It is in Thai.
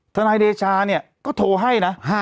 ทนายเดชาเนี่ยก็โทรให้นะ